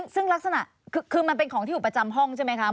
ซึ่งลักษณะคือมันเป็นของที่อยู่ประจำห้องใช่ไหมคะ